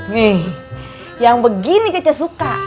nih yang begini cica suka